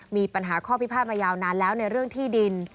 มีปัญหาข้อพิพาทมายาวนานแล้วในเรื่องที่ดิน